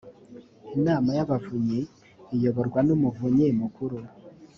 inama y ‘abavunyi iyoborwa n’ umuvunyi mukuru